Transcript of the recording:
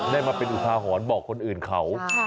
ได้มาเป็นอุทาหรณ์บอกคนอื่นเขา